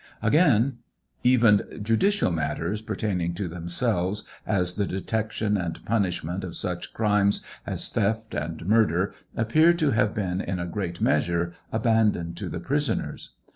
Again : Even judicial matters pertaining to themselves, as the detection and punishment of such crimes as theft and murder, appear to have been in a great measure abandoned to the prison ers.